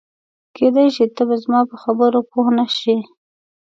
کېدای شي ته به زما په خبرو پوه نه شې.